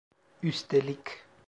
Üstelik…